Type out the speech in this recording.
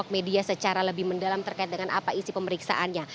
mendalam terkait dengan apa isi pemeriksaannya